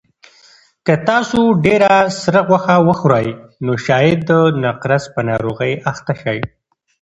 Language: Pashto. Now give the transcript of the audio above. که تاسو ډېره سره غوښه وخورئ نو شاید د نقرس په ناروغۍ اخته شئ.